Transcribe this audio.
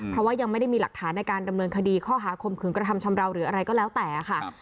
เพราะว่ายังไม่ได้มีหลักฐานในการดำเนินคดีข้อหาคมคืนกระทำชำราวหรืออะไรก็แล้วแต่ค่ะ